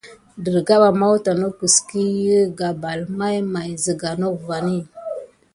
Desbarga mawta nok i ķəɗi gabal may may zəga nok vani.